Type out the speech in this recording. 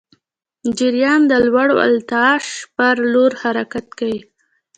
جریان د لوړ ولتاژ پر لور حرکت کوي.